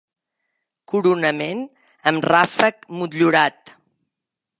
Coronament amb ràfec motllurat.